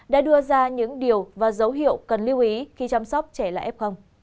đã đưa ra những điều và dấu hiệu cần lưu ý khi chăm sóc trẻ là f